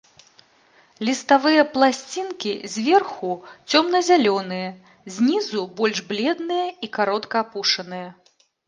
Ліставыя пласцінкі зверху цёмна-зялёныя, знізу больш бледныя і каротка апушаныя.